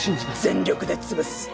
全力で潰す。